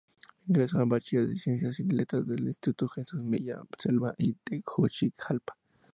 Egresó como Bachiller en Ciencias y Letras del Instituto Jesús Milla Selva de Tegucigalpa.